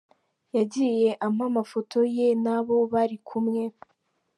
Yagiye ampa amafoto ye n’abo barikumwe.